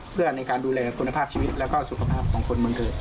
เพื่อในการดูแลคุณภาพชีวิตแล้วก็สุขภาพของคนเมืองเกิด